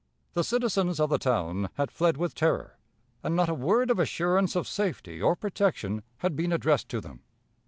The citizens of the town had fled with terror, and not a word of assurance of safety or protection had been addressed to them.